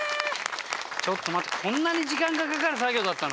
ちょっと待ってこんなに時間がかかる作業だったの？